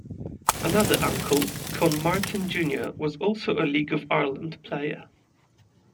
Another uncle, Con Martin Junior, was also a League of Ireland player.